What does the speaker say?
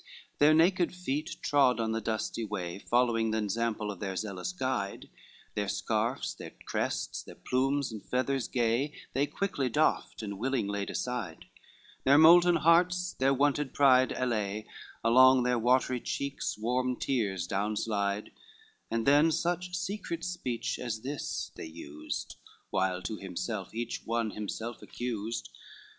VII Their naked feet trod on the dusty way, Following the ensample of their zealous guide, Their scarfs, their crests, their plumes and feathers gay, They quickly doffed, and willing laid aside, Their molten hearts their wonted pride allay, Along their watery cheeks warm tears down slide, And then such secret speech as this, they used, While to himself each one himself accused.